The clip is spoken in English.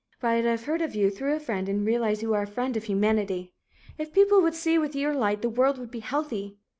But I've heard of you through a friend and realize you are a friend of humanity. If people would see with your light, the world would be healthy.